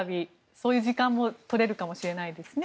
そういう時間も取れるかもしれませんね。